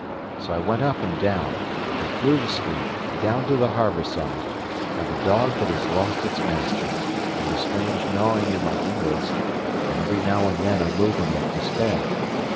So I went up and down, and through the street, and down to the harbour side, like a dog that has lost its master, with a strange gnawing in my inwards, and every now and then a movement of despair.